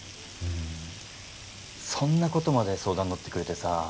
そんなことまで相談乗ってくれてさ